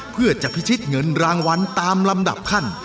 เพื่อจะพิชิตเงินรางวัลตามลำดับขั้น